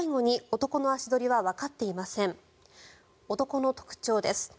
男の特徴です。